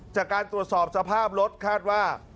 จากการตรวจสอบสภาพรถคาดว่า